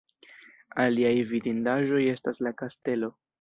Aliaj vidindaĵoj estas la kastelo.